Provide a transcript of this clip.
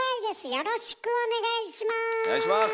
よろしくお願いします。